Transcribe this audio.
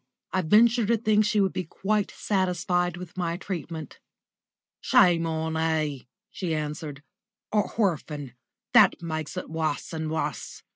I venture to think she would be quite satisfied with my treatment." "Shame on 'e!" she answered. "A horphan that makes it wus and wus.